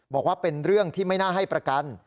บอกว่าเป็นเรื่องที่ไม่น่าให้ประกัน